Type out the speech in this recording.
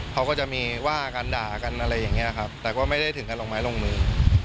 เขาก็จะมีว่ากันด่ากันอะไรอย่างนี้ครับแต่ก็ไม่ได้ถึงการลงไม้ลงมือ